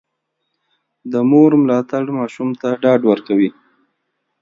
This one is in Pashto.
د مور ملاتړ ماشوم ته ډاډ ورکوي.